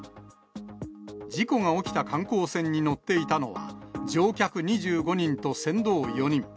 事故が起きた観光船に乗っていたのは、乗客２５人と船頭４人。